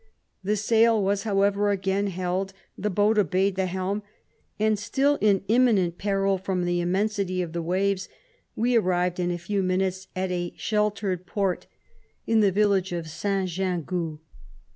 The sail was however again held, the boat obeyed the helm, and still in im minent peril from the immensity of the waves, we arrived in a few minutes at a sheltered port, in the village of St. Gingoux.